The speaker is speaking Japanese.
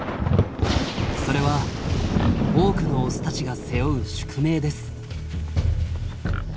それは多くのオスたちが背負う宿命です。